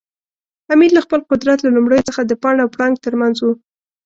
امیر له خپل قدرت له لومړیو څخه د پاڼ او پړانګ ترمنځ و.